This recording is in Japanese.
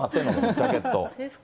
ジャケット。